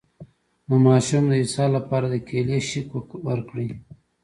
د ماشوم د اسهال لپاره د کیلي شیک ورکړئ